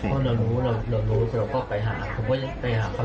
พอเรารู้เราก็ไปหา